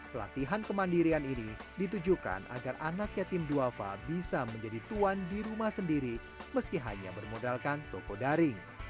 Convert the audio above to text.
pelatihan kemandirian ini ditujukan agar anak yatim duafa bisa menjadi tuan di rumah sendiri meski hanya bermodalkan toko daring